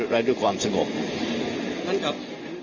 และด้วยความสงบท่านครับ